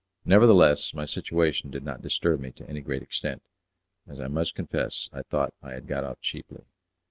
Nevertheless, my situation did not disturb me to any great extent, as I must confess I thought I had got off cheaply.